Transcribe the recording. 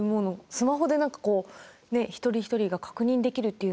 スマホで何かこう一人一人が確認できるっていうのがいいです。